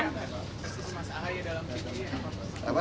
posisi mas ahaye dalam pde apa